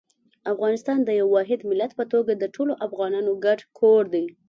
افغانستان د یو واحد ملت په توګه د ټولو افغانانو ګډ کور دی.